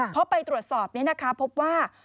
พอไปตรวจสอบนี้นะคะพบว่า